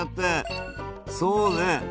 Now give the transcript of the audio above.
そうね。